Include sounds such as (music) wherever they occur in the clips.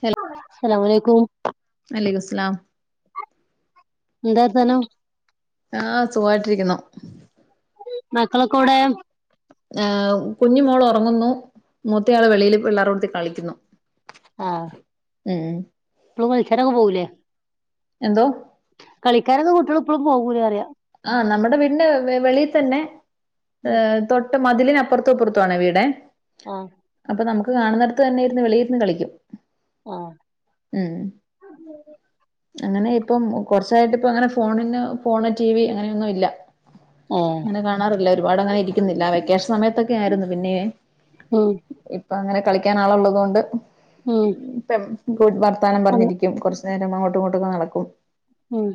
Hello അസ്സലാമു അലൈകും വ അലൈകുമുസ്സലാം എന്താ വർത്താനം ആഹ് സുഖായിട്ടിരിക്കുന്നു മക്കളൊക്കെവിടെ ആഹ് കുഞ്ഞി മോള് ഒറങ്ങുന്നു. മൂത്തയാള് വെളിയിൽ പിള്ളേര ക്കൂട്ടത്തി കളിക്കുന്നു ആഹ് ഉം (unintelligible) പോവും ലേ എന്തോ കളിക്കാനൊക്കെ കുട്ടികള് ഇപ്പോഴും പോവുംലേ പറയാ ആഹ് നമ്മുടെ വീടിന്റെ വെളിയിൽ തന്നെ ഉം ഏഹ് തൊട്ട് ട്ട് മതിലിന് അപ്പുറത്തും ഇപ്പറത്തും ആണെ വീടെ ആഹ് അപ്പൊ നമുക്ക് കാണുന്നടത്ത് തന്നെയിരുന്നു വെളിയിലിരുന്ന് കളിക്കും ആഹ് ഉം അങ്ങനെ ഇപ്പം കുറച്ചായിട്ട് ഇപ്പ അങ്ങനെ ഫോണിന് ഫോണ് ടിവി അങ്ങനെയൊന്നും ഇല്ല ഏഹ് അങ്ങനെ കാണാറില്ല ഒരുപാട് അങ്ങനെ ഇരിക്കുന്നില്ല വെക്കേഷൻ സമയത്തൊക്കെ ആയിരുന്നു പിന്നെ ആഹ് അപ്പൊ അങ്ങനെ കളിക്കാന ആള് ഉള്ളതുകൊണ്ട് ഉം വർത്താനം ഉം പറഞ്ഞിരിക്കും കൊറച്ചു നേരം അങ്ങോട്ടും ഇങ്ങോട്ടും ഒക്കെ നടക്കും ഉം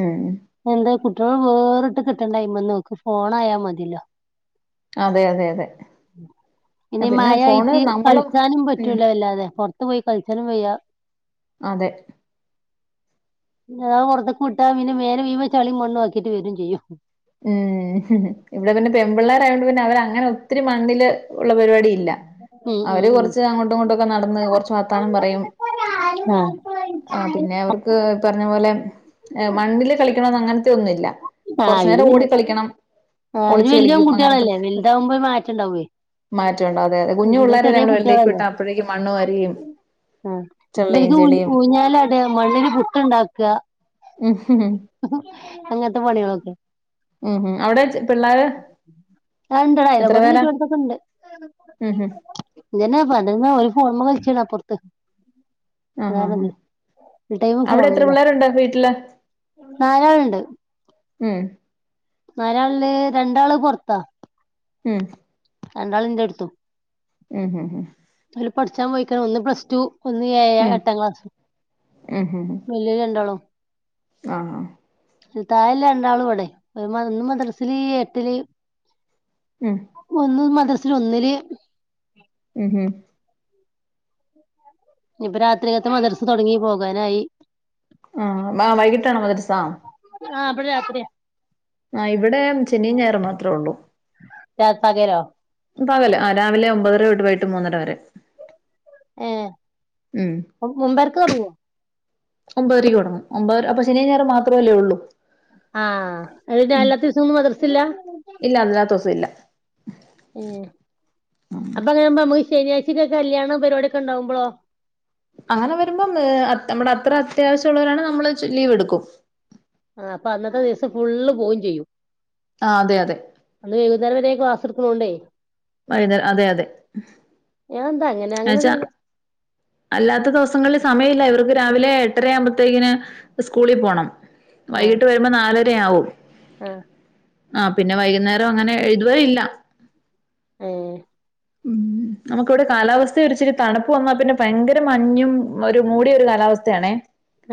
ഉം എന്താ കുട്ടികൾ വേറിട്ട് കിട്ടേണ്ടെ അയ്മന്ന് ഓക്ക് ഫോണായാ മതില്ലോ അതെ അതെ അതെ ഉം ഇനി പിന്നെ ഫോണ് മഴയായിട്ട് നമ്മള് കളിച്ചാനും ഉം പറ്റൂല വല്ലാതെ പൊറത്ത് പോയി കളിച്ചാനും വയ്യ അതെ ഞാൻ പൊറത്ത്ക്ക് വിട്ടാ പിന്നെ മേല് മുഴുവൻ ചളിം മണ്ണും ആക്കിട്ട് വരും ചെയ്യും ഉം ഇവിടെ പിന്നെ പെൺപിള്ളേരായൊണ്ട് പിന്നെ അവര് അങ്ങനെ ഒത്തിരി മണ്ണിൽ ഉള്ള പരിപാടി ഇല്ല ഉം ഉം അവര് ഉം കുറച്ച് അങ്ങോട്ടും ഇങ്ങോട്ടുമൊക്കെ നടന്ന് കുറച്ച് വാത്താനം പറയും ആ ആഹ് പിന്നെ അവർക്ക് പറഞ്ഞ പോലെ മണ്ണില് കളിക്കണംന്ന് അങ്ങനത്തെ ഒന്നുംല്ല കൊറച്ചു നേരം ഓടി കളിക്കണം ആ അയിന് ഒളിച്ചു വല്യപെ കളിക്കും ൺകുട്ടികളല്ലേ വലുതാവകുമ്പോ മാറ്റംണ്ടാവേ മാറ്റം ഉണ്ടവും അതെ അതെ കുഞ്ഞു പിള്ളേരെല്ല നമ്മൾ വെളിയിലേക്ക് വിട്ടാ അപ്പൊഴേക്കും മണ്ണ് വരികയും ആ ബൽക്ക് ഊഞ്ഞാലാട മണ്ണില് പുട്ടുണ്ടാക്കുക ഉം അങ്ങനത്തെ പണികളൊക്കെ ഉം അവിടെ പിള്ളോര് ആ ഇണ്ട് അയലോക്കത്ത് ചുറ്റുവ ട്ടത്തൊക്കെണ്ട് ഉം ഉം ഇപ്പത്തന്നെ (unintelligible) ഒര് ഫോ പ്പം കൾച്ചിണ്ട് അപ്പർത്ത് ആഹ് ആഹ് ആഹ് അവിടെ എത്ര ഫോൺമ്മലാ പിള്ളേരുണ്ട് വീട്ടില് നാലാളുണ്ട് ഉം നാലാളില് രണ്ടാള് പൊറത്താ ഉം രണ്ടാൾ ൻ്റെട്ത്തും ഉം പഠിച്ചാ പോയിക്കാണ് ഒന്ന് പ്ലസ്ടു ഒന്ന് ഏഴാ ഉം എട്ടാം ക്ലാസ്സ് ഉം ഉം ഉം വല്ല് രണ്ടാളും ആഹ് താഴെല്ല രണ്ടാളും ഇവിടെ ഒന്ന് മദ്രസില് എട്ടില് ഉം ഒന്ന് മദർസില് ഒന്നില് ഉം ഇപ്പൊ രാത്രികത്തെ മദർസ തൊടങ്ങി പോകാനായി ആഹ് ആ വൈകിട്ട് ആണോ മദർസാ ആഹ് ഇവടെ രാത്രിയാ ആ ഇവിടെ ശനിം ഞായറും മാത്രേ ഉള്ളൂ ചത്താകരോ പകല് രാവിലെ ഒമ്പതര തൊട്ട് വൈകിട്ട് മൂന്നര വരെ ഏ മുമ്പർക്ക് തൊടങ്ങോ ഒമ്പതരക്ക് തുടങ്ങും ഒമ്പത് അപ്പൊ ശനിം ഞായറും മാത്രമല്ലേ ഉള്ളൂ ആഹ് അ ഞാൻ എല്ലാത്ത ദിവസം ഒന്നും മദർസില്ല ഇല്ല അല്ലാത്ത ദിവസം ഇല്ല ഉം അപ്പാങ്ങനാവുമ്പം ഞമ്മ ശനിയാഴ്ചൊക്കെ കല്യാണൊ പരിപാടിയൊക്കെ ഇണ്ടാവുമ്പോളോ അങ്ങനെ വരുമ്പം നമ്മടെ അത്ര അത്യാവശ്യംഉ ള്ളവരാണ് നമ്മള് ലീവ് എടുക്കും ആ അപ്പൊ അന്നത്തെ ദിവസം ഫുള്ള് പോവും ചെയ്യും ആഹ് അതെ അതെ അന്ന് വൈകുന്നേരം വരെ ക്ലാസ്സ്‌ ഇട് ക്ക്ണോണ്ടേ വൈന്നേ അതെ അതെ അതെന്താ അങ്ങനെ അങ്ങനെ എന്നച്ചാ അല്ലാത്ത ദിവസങ്ങളിൽ സമയല്ല ഇവർ ക്ക് രാവിലെ എട്ടരയാവുമ്പോത്തേക്കിനും സ്കൂളിൽ പോണം ആഹ് വൈകിട്ട് വരുമമ്പൊ നാലരയാവും ആഹ് ആ പിന്നെ വൈകുന്നേരം അങ്ങനെ എഴുതുവേ ഇല്ല ആഹ് ഉം നമുക്കിവിടെ കാലാവ സ്ഥ ഒരിച്ചിരി തണുപ്പ് വന്നാൽ പിന്നെ ഭയങ്കര മഞ്ഞും ഒരു മൂടിയൊരു കാലാവസ്ഥയാണേ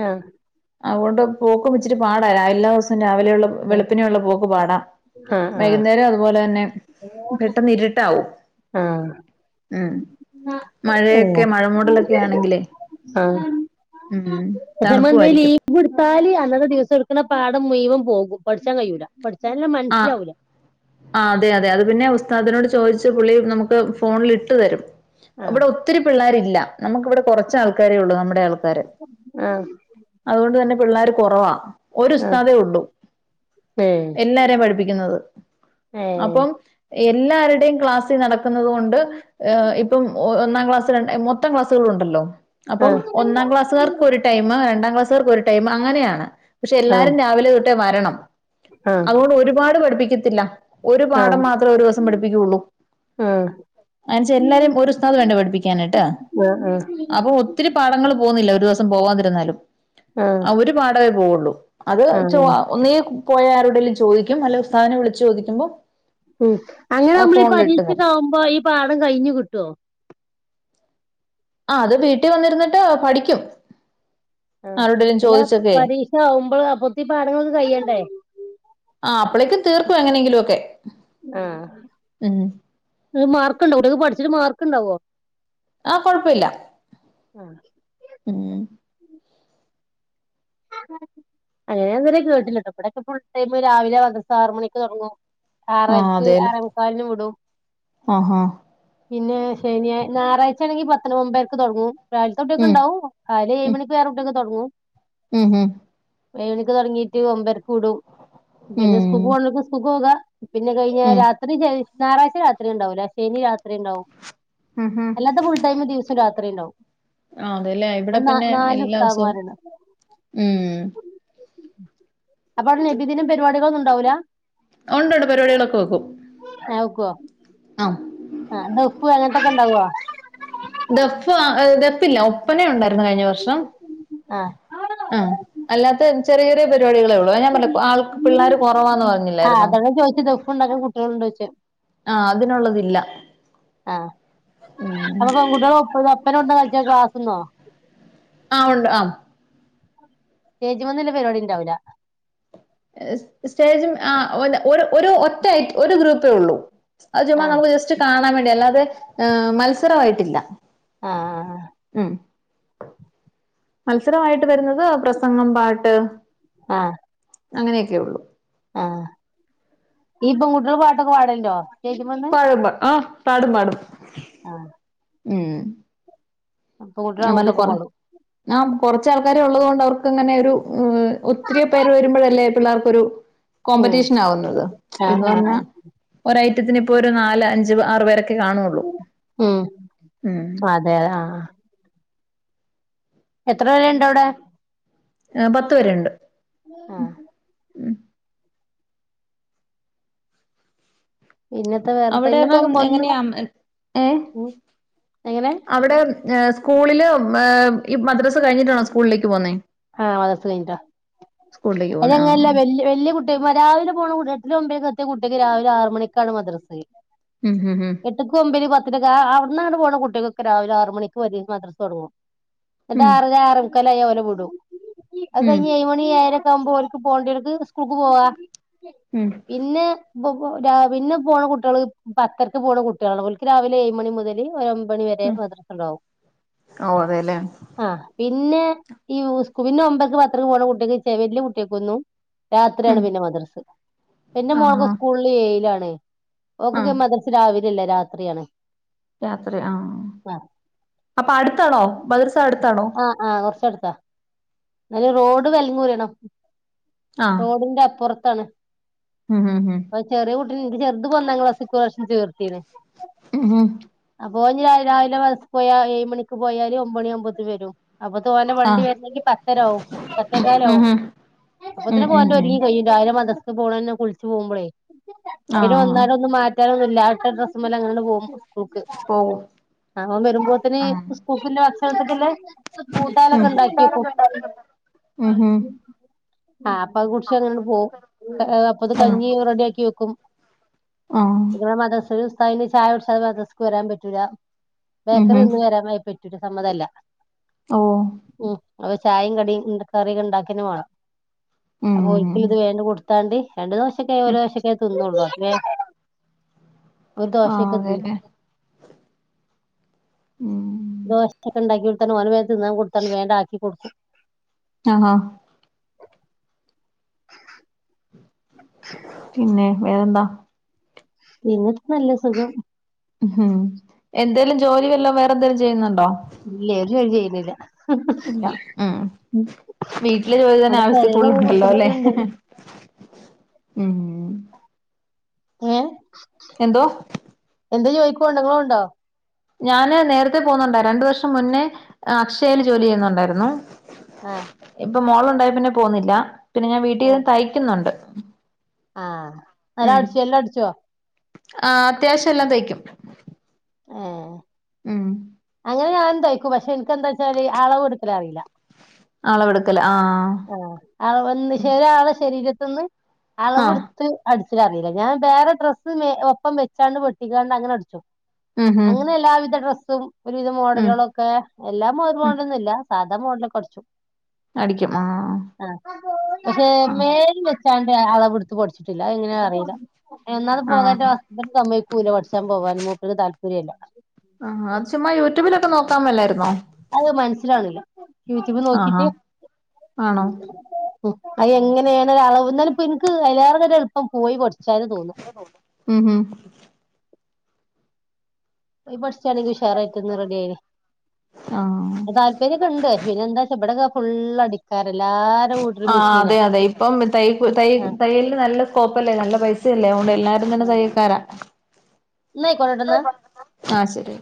ആഹ് അതുകൊണ്ട് പോക്കും ഇച്ചിരി പാടാ എല്ലാ ദിവസും രാ രാവിലെയുള്ള വെളുപ്പിനെയുള്ള പോക്ക് പാടാ ആഹ് ആഹ് വൈകുന്നേരോം അതുപോലെതന്നെ പെട്ടെന്ന് ഇരിട്ടാവും ആഹ് മഴയൊക്കെ ഓഹ് മഴമൂടലൊക്കെയാണെങ്കിലേ ആഹ് പക്ഷെ നമ്മെന്തേ ലീവെടുത്താല് അന്നത്തെ ദിവസം എടുക്ക്ണ പാഠം മുയുവൻ പോകും പഠിച്ചാൻ കയൂല ആ ആ അതെയതെ അത്പിന്നെ ഉസ്താദിനോട് ചോ ദിച്ചു പുള്ളി നമുക്ക് ഫോണിൽ ഇട്ടുതരും ആഹ് ഇവിടെ ഒത്തിരി പിള്ളേരില്ല നമുക്കിവിടെ കുറച്ച് ആൾക്കാരേ ഉള്ളൂ നമ്മുടെ ആൾക്കാര് ആഹ് അതുകൊണ്ട് തന്നെ പിള്ളേര് കുറവാ ആഹ് ഒരുസ്താതേ ഉള്ളൂ ഏഹ് എല്ലാരെയും പഠിപ്പിക്കുന്നത് അപ്പൊ ഏഹ് എല്ലാരുടേം ക്ലാസ്സി നടക്കുന്ന ന്നത്കൊണ്ട് ഇപ്പം ഒന്നാംക്ലാസ് ര മൊത്തം ക്ലാസ്സുകളും ഉണ്ടല്ലോ അപ്പം ആഹ് ഒന്നാം ക്ലാസ്സുകർക്കൊരു ടൈമ് രണ്ടാം ക്ലാസ്സുകാർക്കൊരു ടൈമ് അങ്ങനെയാണ് ആഹ് പക്ഷെല്ലാരും രാവിലെതൊട്ടേ വരണം ആഹ് അതുകൊണ്ട് ഒരുപാട് പഠിപ്പിക്കത്തില്ല ഒരു ആഹ് പാഠം മാത്രേ ഒരുദിവസം പഠിപ്പിക്കുള്ളൂ ആഹ് എന്നേച്ചാ എല്ലാരേം ഒരുസ്ഥാദ് വേണ്ടേ പഠിപ്പിക്കാന് ട്ടാ ആഹ് ആഹ് അപ്പൊ ഒത്തിരി പാടങ്ങളും പോകുന്നില്ല ഒരുദിവസം പോവാതിരുന്നാലും ആഹ് ഒരു പാടമേ പോവുള്ളൂ അത് ചോ ആഹ് ഒന്നീ പോയാരോ ടേലും ചോദിക്കും അല്ലേ ഉസ്താദിനെ വിളിച്ചു ചോദിക്കുമ്പോ ഉം അങ്ങനെ നമ്മളീ ഫോണിലിട്ട് തരും പരീക്ഷയൊക്കാവുമ്പോ ഈ പാടം കഴിഞ്ഞു കിട്ടുഓ ആ അത് വീട്ടി വന്നിരുന്നിട്ട് പഠിക്കും ആഹ് ആരോടെലും അല്ല ചോദിച്ചൊക്കെ പരീക്ഷ ആവുമ്പോള് അപ്പൊഴത്തീ പാടങ്ങള്ക്ക് കഴിയണ്ടേ ആഹ് അപ്പോളേക്കും തീർക്കും എങ്ങനെങ്കിലോക്കെ ആ മാർക്ക് ഉണ്ടോ കുട്ടികൾക്ക് പഠിച്ചിട്ട് മാർക്കുണ്ടാവോ ആഹ് കൊഴപ്പമില്ല ആഹ് ഉം അങ്ങനിന്നേരെ കേട്ടില്ല ട്ടോ ഇവിടൊക്കെ ഫുൾടൈം രാവിലെ മദ്രസ ആറ് മണിക്ക് തുടങ്ങും ആ ആറരക്ക് അതെല്ലേ ആറേമുക്കാലിന് വിടും ആ-ഹാ പിന്നെ ശനിയാ ഞായറാഴ്ചയാണെങ്കിൽ പത്തിന് മുമ്പേയ്ക്ക് തുടങ്ങും ഉം രാവിലത്തൊട്ടൊക്കെണ്ടാവും രാവിലെ ഏഴ് മണിക്ക് വേറെകുട്ടികൾക്ക് തുടങ്ങും ഹ്മ്-ഹ്മ് ഏഴ്മണിക്ക് തുടങ്ങിയിട്ട് ഒമ്പരക്ക് വിടും പിന്നെ സ്കൂള്ക്ക് ഉം പോണര്ക്ക് സ്കൂള്ക്ക് പോക പിന്നെ കഴിഞ്ഞാ ഉം രാത്രി ഞായറാഴ്ച രാത്രി ഉണ്ടാവൂല ശനി രാത്രി ഉണ്ടാവും ഉം ഉം അല്ലാത്ത ഫുൾടൈം ദിവസവും രാത്രിയുണ്ടാവും ആ അതെല്ലേ ഇവിടെപ്പിന്നെ എല്ലാദിവസവും ഉസ്താദ്മാരുണ്ട് ഉം അപ്പ അവിടെ നബിദിനം പരിപാടികളൊന്നുണ്ടാവൂല ഉണ്ട്ണ്ട് പരിപാടികളൊക്കെ വെക്കും ആവെക്കോ ആ ആ ദഫും അങ്ങത്തൊക്കെ ഇണ്ടാവുഓ ദഫ് ദഫില്ല ഒപ്പന ഉണ്ടായിരുന്നു കഴിഞ്ഞവർഷം ആഹ് ആ അല്ലാത്ത ചെറിയ ചെറിയ പരിപാടികളെ ഉള്ളൂ ഞാൻ പറഞ്ഞില്ലേ ആൾ പിള്ളേര് കുറവാന്ന് ആഹ് പറഞ്ഞില്ലാരുന്നോ അതാണ് ചോദിച്ചത് ദഫ് ഉണ്ടാക്കാൻ കുട്ടികള്ണ്ടായിച്ച് ആഅതിനുള്ളതില്ല ആ അപ്പൊ പെൺകുട്ടികളെ ഒപ്പ ഒപ്പന കൊണ്ട അയിറ്റ കാത്തുന്നോ ആ ഉണ്ട് ആ സ്റ്റേജ്മന്ന്ലേ പരിപാടിണ്ടാവില്ല എ സ്റ്റേജും ആ ഒ ഒരു ഒരു ഒറ്റ ഒരു ഗ്രൂപ്പേ ഉള്ളൂ അത് ചുമ്മാ ആഹ് നമുക്ക് ജസ്റ്റ് കാണാൻ വേണ്ടി അല്ലാതെ മത്സരമായിട്ടില്ല ആ ഉം മത്സരമായിട്ട് വരുന്നത് പ്രസംഗം പാട്ട് ആ അങ്ങനെയൊക്കെ ഉള്ളു ആ ഈ പെൺകുട്ടികൾ പാട്ടൊക്കെ പാടലുണ്ടോ സ്റ്റേജ്മന്ന് പാടുമ്പ ആ പാടും പാടും ആ ഉം ഞാ പറഞ്ഞിലേ ആൺകുട്ടികളൊക്കെ കൊറ പാടും ആ കൊറച്ച ആൾക്കാരെ ഉള്ളത് കൊണ്ട് അവർക്ക് അങ്ങനെ ഒരു ഉം ഒത്തിരി പേര് വരുമ്പോഴല്ലേ പിള്ളാർക്കൊരു ഉം കോമ്പറ്റീഷൻ ആവുന്നത് ആഹ് എന്ന് ആഹ് പറഞ്ഞാ ആഹ് ഒരഐറ്റത്തിന് ഇപ്പോ ഒരു നാല് അഞ്ച് ആറുപേരൊക്കെ കാണുള്ളൂ ഉം ഉം അതെ ആഹ് എത്ര പേര്ണ്ടവിടെ ആ പത്ത് പേരുണ്ട് ഉം ആഹ് ഉം ഇന്നത്തെ വേറെത്തെ അവിടെ ഇന്റെ അപ്പം മകൻ ഒന്ന് എങ്ങനെയ ഏ ഉം എങ്ങനെ അവിടെ ഏ സ്കൂളില് ഏ ഈ മദ്രസ്സ കഴിഞ്ഞിട്ടാണോ സ്കൂളിലേക്ക് പോകുന്നേ ആമദ്രസ്സ കഴിഞ്ഞിട്ടാഅത് പോന്നെ ആ കഴിഞ്ഞാൽ വല്ല്യ വല്ല്യ കൂട്ടിയാ രാവിലെ പോണ കുട്ടിയ എട്ടിലും ഒമ്പി ലൊക്കെ എത്തിയ കുട്ടിക്ക് രാവിലെ ആറുമണിക്കാണ് മദ്രസ്സ് ഉം ഉം എട്ടുക്കും ഒമ്പീൽ പ റ്റക്ക് ആ അവ്ടന്നാണ്ട് പോണ കുട്ടികൊക്കെ രാവിലെ ആറുമണിക്ക് വരെ മദ്രസ് തൊടങ്ങും ന്നിട്ട് ഉം ഉം ആറര ആർ മുക്കലായ ഓലെ വുടും അത് ഉം കഴിഞ് ഏഴ് മണി ഏഴരക്കവുമ്പോ ഓല്ക്ക് പോണ്ടെടത്ത് സ്കൂൾക്ക് പോവാ ഉം പിന്നെ ബോബോ രാവി പിന്നെ പോണ കുട്ടികൾ പത്തരക്ക് പോണ കുട്ടികളാഓല്ക്ക് രാവിലെ ഏഴ് മണി മുതൽ ഒരമ്പ ണി വരെ ഉം മമദ്രസ്സണ്ടാവും ഓ അതെല്ലേ ആ പിന്നെ ഈ സ് ക് പിന്നെ ഒമ്പരക്ക് പത്തരക്ക് പോണ കുട്ടിക്ക് ചെ വല്ല്യ കുട്ടിയാക്കൊന്നു രാത്രിയാണ് ഉം പിന്നെ മദ്രസ്സ് പിന്നെ മോൾക്ക് ആഹാ സ്കൂളിൽ ഏയിലാണ് ആ ഓകൊക്കോ മദ്രസ്സ രാവിലല്ല രാത്രിയാണ് രാത്രി ആ ആഹ് അപ്പൊ അടുത്താണോ മദ്രസ്സ അടുത്താണോ ത്ത അയിന് റോഡ് വെലങ്ങുറിയണം ആഹ് റോഡിന്റെ അപ്പുറത്താണ് ഉം ഉം ഞ്ഞിൻ്റെ ചെറുത് പോ ഒന്നാം ക്ലാസ് ഇപ്പ്രവിശ്യം ചേർത്തിലെ ഉം ഉം ബോ ഞ്ഞിരാവിലയിലെ മ പോയാ ഏഴ് മണിക്ക് പോയാല് ഒമ്പണി ആവുമ്പത്തി വരും അപ്പതോനെ വണ്ടി ആഹ് വരുന്നെങ്കിൽ പ ത്തരാവും പത്തേക്കാലാവും ഉം ഉം ഉം അപ്പത്തിന് ഉം ഓൻ്റെ ഉം ഒരുങ്ങി കയ്യും രാ വിലെ മദ്രസ്സ പോണന്നേ കുളിച്ചു പോകുമ്പളേ പിന്നെ ആഹ് വന്നാലൊന്ന് മാ റ്റാ നൊന്നുല്ലാ ആ ഇട്ട ഡ്രസ്മ്മല് അങ്ങനാണ്ട് പോവും സ്കൂക്ക് പോവും ആ ഓം വരുമ്പോത്തത്ത്ന് ആഹ് സ്കൂൾക്കില്ലേ ഭക്ഷണത്ത്ക്ക്ല്ലെ ഉം കൂട്ടാനൊക്കെണ്ടാക്കി വെക്കും കൂട്ടാനൊക്കെ ഉം ഉം ആഅപ്പൊ അത് കുടിച്ച് അങ്ങനാണ്ട് പോവും അ ആ അപ്പത് ആഹ് കഞ്ഞി റെഡി ആക്കി വെക്കും ആഹ് ഇവ മദ്രസില് അയിന് ചായ കുടിച്ചാതെ മദ്രസ്ക് വരാൻ പറ്റൂല ഉം ബേക്കറി ഉം തിന്ന് വരാമയ പറ്റൂല സമ്മതല്ല ഓഹ് ഉം അ ചായിം കടിം കറി ഇണ്ടാക്കന് വേണം ഉം അപ്പൊ ഒരിക്കൽ ഇത് ഉം വേണ്ട് കൊടുതോൺണ്ട് രണ്ട് ദോശക്കെ ഒരു ദോശക്കേ തിന്നുള്ളു വെ ഒരു ദോശ ആഹ് ക്കെ തിന്നും അതെല്ലേ ഉം ദോശക്കെ ഉണ്ടാക്കി കൊടുത്ത്ക്കാണ്ട് ഓനെ വേം തിന്നാൻ കൊടുത്ത് കൺഡ് വേം ആണ്ട് ആക്കി കൊടുക്കും. ആ ഹ പിന്നെ വേറെന്താ പിന്നിട്ട് നല്ല സുഖം ഉം എന്തേലും ജോലി വല്ലോ വേറെ എന്തേലും ചെയ്യുന്നുണ്ടോ ഇല്ലേ ഒരു ജോലി ചെയ്യുന്നില്ല ഇല്ല ഉം വീട്ടിലെ ജോലി തന്നെ ഇവിടെ ആവിശ്യത്തിൽ കൂടുതൽ പെരേലങ്ങനെ ഉണ്ടല്ലോ. അല്ലെ കുത്തിർക്ക്ണ്ട് ഉം ഏ എന്തോ പോവണ്ട് പോവണ്ടോ ഞാന് നേരത്തെ പോകുന്നുണ്ടായി രണ്ടു വർഷം മുന്നേ അക്ഷയയിൽ ജോലി ചെയ്യുന്നുണ്ടായിരുന്നു. ആ ഇപ്പൊ മോളുണ്ടായ പിന്നെ പോവുന്നില്ല പിന്നെ ഞാൻ വീട്ടിൽന്ന് ആഹ് തയ്ക്കുന്നുണ്ട് ആഹ് നല്ല അടിച്ചോ എല്ലാ അടിച്ചോ ആ അത്യാവശ്യം എല്ലാം തയ്ക്കും ഏഹ് ഉം അങ്ങനെ ഞാനും തൈക്കും പക്ഷെ എനിക്ക്ന്താച്ചാല് അളവ് എടുക്കല് അറിയില്ല അളവെടുക്കലാ ആ അ വന്ന് ചെല ആളെ ശരീരത്ത്ന്ന് ആഹ് അളവെടുത്ത് അട് അത് അറിയില്ല ഞാൻ വേറെ ഡ്രസ്സ് ഒപ്പം വെച്ചാണ്ട് വെട്ടിക്കാണ്ട് അങ്ങനെ അടിച്ചും ഉം ഉം അങ്ങനെ എല്ലാവിധ ഡ്രസ്സും ഒരുവിധ ഉം മോഡലുകള ഒക്കെ എല്ലാ മോഡലുകളും ഇല്ലാ സാധാ മോഡലൊക്കെ അടിച്ചും അടിക്ക ആ പക്ഷെ ആഹ് മേല വെച്ചാണ്ട് അളവിടുത്ത് പടിച്ചിട്ടില്ല അത് എങ്ങനെ അറിയില്ല എന്നത് പോകാച്ചാ ആഹ് ഹസ്ബൻഡ് സമ്മയ്ക്കൂലപഠിച്ചാൻ പോവാൻ മൂപ്പർക് താല്പര്യല്ലാ ആഹ് അത് ചുമ്മാ യൂട്യൂബിലൊക്കെ നോക്കാൻ മേലായിരുന്നോ അത് മനസിലാവ്ണ്ണില്ലാ യൂറ്റൂബ് ആഹാ നോക്കിട്ട് ആണോ.. ഉ അത് എങ്ങനെയണ്‌ അളവ് ഇന്നാലും ഇന്ക് ഇപ്പം അയിൽഎറെരു എളുപ്പം പോയി പഠി. ഉം ഹും അത് പഠിച്ചാണെങ്കിൽ ഉഷാറായിട്ട ഒന്ന് റെഡി ആയിന്ന്.. ആഹ് താല്പര്യൊക്കെ ഉണ്ട് പിന്നെ എന്താച്ച ഇവിടെക്കെ ഫുള്ള് അടിക്കാര.. ആ അതെ അതെ ഇപ്പം തയ്യ തയ്യ ആഹ് തയ്യലിന് നല്ല സ്കോപ്പ് അല്ലേ നല്ല പൈസയല്ലേ അതോന്ടാ.. എല്ലാവരും തന്നെ തയ്യൽക്കാരാ.. ഇ ന്ന ആയിക്കോട്ടെ ട്ട ന്നാ... ആഹ് ശരി